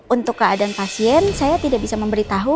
untuk keadaan pasien saya tidak bisa memberitahu